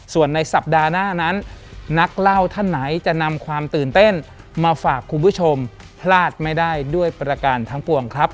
ส่วนในสัปดาห์หน้านั้นนักเล่าท่านไหนจะนำความตื่นเต้นมาฝากคุณผู้ชมพลาดไม่ได้ด้วยประการทั้งปวงครับ